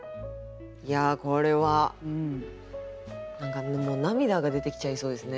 いやこれは何かもう涙が出てきちゃいそうですね。